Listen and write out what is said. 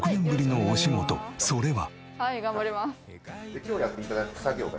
それは。